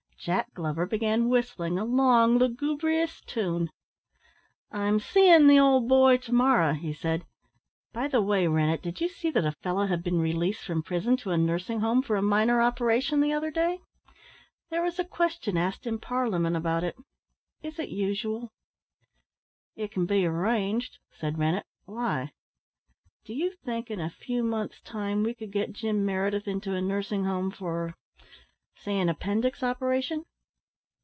Jack Glover began whistling a long lugubrious tune. "I'm seeing the old boy to morrow," he said. "By the way, Rennett, did you see that a fellow had been released from prison to a nursing home for a minor operation the other day? There was a question asked in Parliament about it. Is it usual?" "It can be arranged," said Rennett. "Why?" "Do you think in a few months' time we could get Jim Meredith into a nursing home for say an appendix operation?"